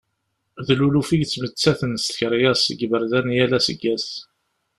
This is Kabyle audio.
D luluf i yettmettaten s tkeryas deg yiberdan yal aseggas.